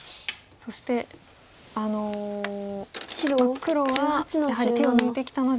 そして黒はやはり手を抜いてきたので。